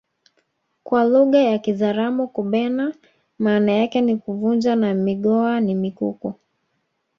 Kwa lugha ya kizaramo kubena maana yake ni kuvunja na migoha ni mikuku